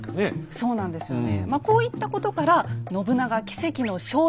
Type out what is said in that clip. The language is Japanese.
そうなんですよね。